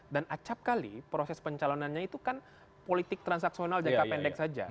dan acapkali proses pencalonannya itu kan politik transaksional jangka pendek saja